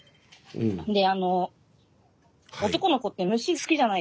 であの男の子って虫好きじゃないですか。